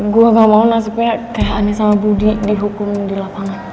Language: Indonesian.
gue gak mau nasib gue kayak aneh sama bu dihukum di lapangan